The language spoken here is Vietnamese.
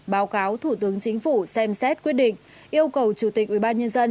báo cáo thủ tướng chính phủ xem xét quyết định yêu cầu chủ tịch ubnd